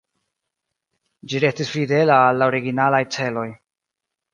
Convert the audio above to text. Ĝi restis fidela al la originalaj celoj.